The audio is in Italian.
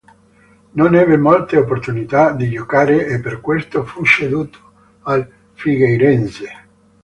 Non ebbe molte opportunità di giocare e per questo fu ceduto al Figueirense.